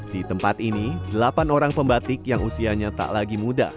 di tempat ini delapan orang pembatik yang usianya tak lagi muda